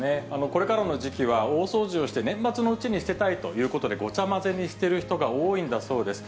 これからの時期は大掃除をして年末のうちに捨てたいということで、ごちゃ混ぜに捨てる人が多いんだそうです。